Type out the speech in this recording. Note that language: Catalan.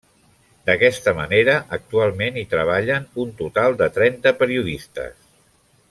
D'aquesta manera, actualment hi treballen un total de trenta periodistes.